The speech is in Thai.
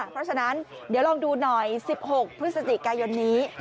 เพราะฉะนั้นเดี๋ยวลองดูหน่อย๑๖พฤศจิกายนนี้